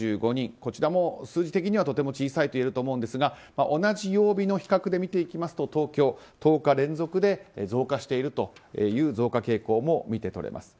こちらも数字的にはとても小さいといえると思うんですが同じ曜日の比較で見ていくと東京は１０日連続で増加しているという増加傾向も見て取れます。